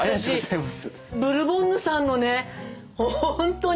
ブルボンヌさんのねほんとに。